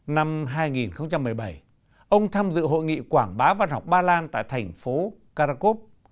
năm hai nghìn một mươi bảy ông tham dự hội nghị quảng bá văn học ba lan tại thành phố carakov